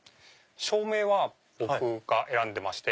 照明は僕が選んでまして。